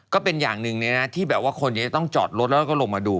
ก็เป็นอย่างหนึ่งที่แบบว่าคนจะต้องจอดรถแล้วก็ลงมาดู